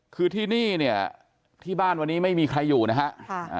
คือที่นี่เนี่ยที่บ้านวันนี้ไม่มีใครอยู่นะฮะ